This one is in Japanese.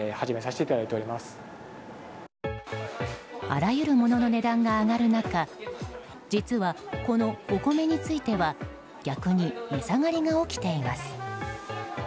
あらゆるものの値段が上がる中実は、このお米については逆に値下がりが起きています。